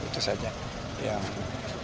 itu saja yang kita